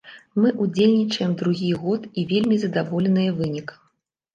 Мы ўдзельнічаем другі год і вельмі задаволеныя вынікам.